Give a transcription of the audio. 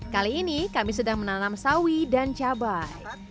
kali ini kami sedang menanam sawi dan cabai